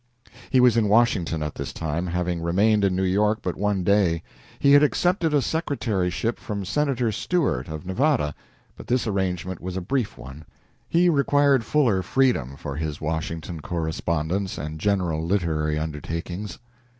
He was in Washington at this time, having remained in New York but one day. He had accepted a secretaryship from Senator Stewart of Nevada, but this arrangement was a brief one. He required fuller freedom for his Washington correspondence and general literary undertakings.